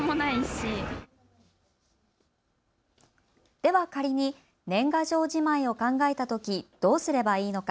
では仮に年賀状じまいを考えたとき、どうすればいいのか。